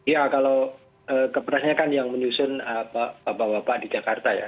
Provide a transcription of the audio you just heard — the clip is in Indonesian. ya kalau kepresnya kan yang menyusun bapak bapak di jakarta ya